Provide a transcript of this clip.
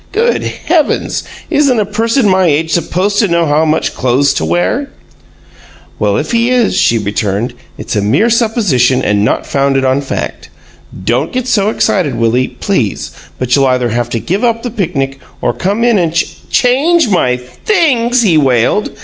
Good heavens! isn't a person my age supposed to know how much clothes to wear?" "Well, if he is," she returned, "it's a mere supposition and not founded on fact. Don't get so excited, Willie, please; but you'll either have to give up the picnic or come in and ch " "Change my 'things'!" he wailed.